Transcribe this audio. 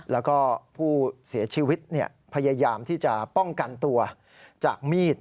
แล้วก็ผู้เสียชีวิตพยายามที่จะป้องกันตัวจากมีด